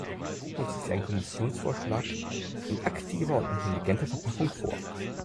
Uns liegt ein Kommissionsvorschlag in aktiver und intelligenter Verpackung vor.